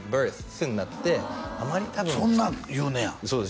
「ス」になってあまり多分そんなん言うねやそうです